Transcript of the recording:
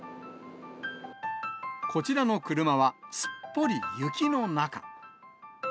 こちらの車は、すっぽり雪の中。